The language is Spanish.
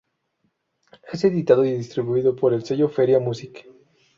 Es editado y distribuido por el sello Feria Music.